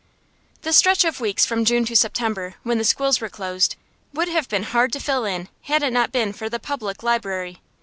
The stretch of weeks from June to September, when the schools were closed, would have been hard to fill in had it not been for the public library.